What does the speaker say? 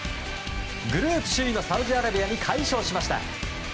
グループ首位のサウジアラビアに快勝しました。